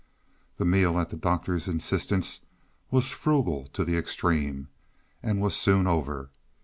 The meal, at the Doctor's insistence, was frugal to the extreme, and was soon over.